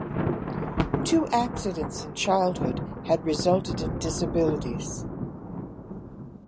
Two accidents in childhood had resulted in disabilities.